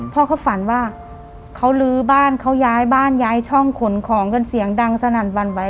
พ่อเขาฝันว่าเขาลื้อบ้านเขาย้ายบ้านย้ายช่องขนของกันเสียงดังสนั่นวันไหว